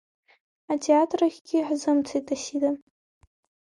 Атеатр ахьгьы ҳзымцеит, Асида.